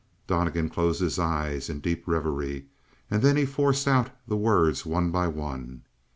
Donnegan closed his eyes in deep reverie. And then he forced out the words one by one.